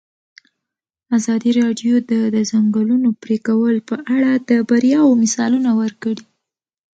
ازادي راډیو د د ځنګلونو پرېکول په اړه د بریاوو مثالونه ورکړي.